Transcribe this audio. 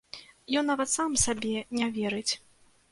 Ён нават сам сабе не верыць.